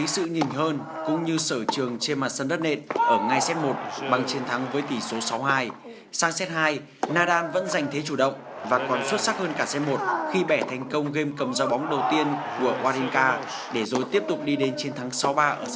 xin chào và hẹn gặp lại trong các video tiếp theo